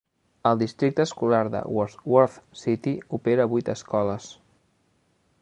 El districte escolar de Wadsworth City opera vuit escoles.